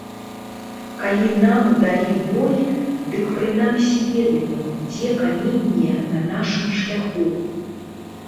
Калі нам далі бой, дык прынамсі ведаем, дзе каменне на нашым шляху.